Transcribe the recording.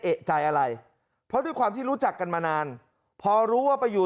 เอกใจอะไรเพราะด้วยความที่รู้จักกันมานานพอรู้ว่าไปอยู่